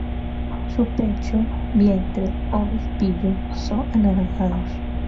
Su pecho, vientre, obispillo son anaranjados.